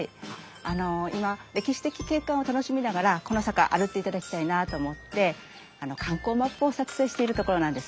あの今歴史的景観を楽しみながらこの坂歩いていただきたいなあと思って観光マップを作成しているところなんです。